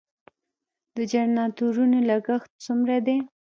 د جنراتورونو لګښت څومره دی؟